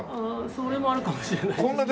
それもあるかもしれないです。